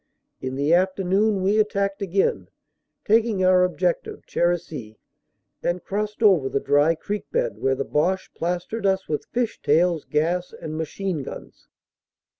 In the afternoon we attacked again, taking our objective, Cherisy, and crossed over the dry creek bed, where the Boche plastered us with fish tails, gas and machine guns.